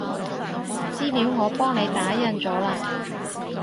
資料我幫你打印咗喇